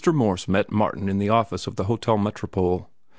Morse met Martin in the office of the Hotel Metropole.